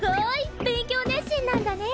べんきょうねっしんなんだね。